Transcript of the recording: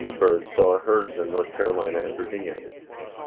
W. Bird saw herds in North Carolina and Virginia.